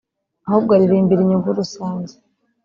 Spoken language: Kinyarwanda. ahubwo aririmbira inyungu rusange